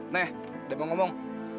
nih udah mau ngomong